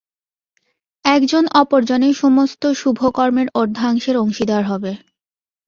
একজন অপর জনের সমস্ত শুভকর্মের অর্ধাংশের অংশীদার হবে।